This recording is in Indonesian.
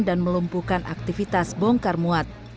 dan melumpuhkan aktivitas bongkar muat